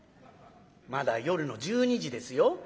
「まだ夜の１２時ですよ。